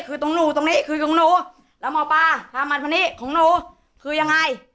คือตรงหนูตรงนี้คือตรงหนูแล้วหมอปลาถ้ามันตรงนี้ของหนูคือยังไง